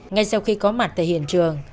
ngay sau khi có mặt tại hiện trường